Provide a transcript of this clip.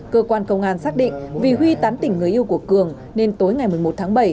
cơ quan công an xác định vì huy tán tỉnh người yêu của cường nên tối ngày một mươi một tháng bảy